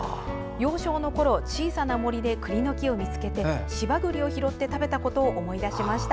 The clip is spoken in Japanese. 幼少のころ、小さな森でくりの木を見つけてしばぐりを拾って食べたことを思い出しました。